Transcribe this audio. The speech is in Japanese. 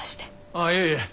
ああいえいえ。